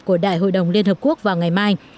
của đại hội đồng liên hợp quốc vào ngày mai